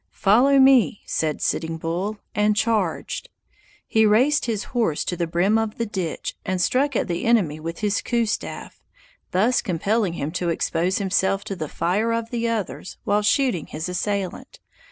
"Follow me!" said Sitting Bull, and charged. He raced his horse to the brim of the ditch and struck at the enemy with his coup staff, thus compelling him to expose himself to the fire of the others while shooting his assailant.